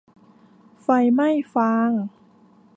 ไฟไหม้ฟาง